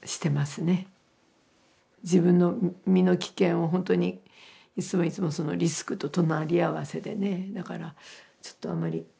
自分の身の危険をほんとにいつもいつもそのリスクと隣り合わせでねだからちょっとあんまり詳しいことが言えませんね。